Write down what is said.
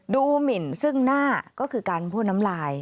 หมินซึ่งหน้าก็คือการพ่นน้ำลาย